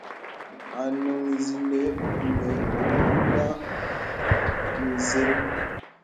Anùn zìnə nə dùmə̄ nzə̀n.